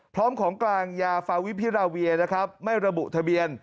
พร้อมของกลางยาฟาวิพิราเวียนะครับไม่ระบุทะเบียน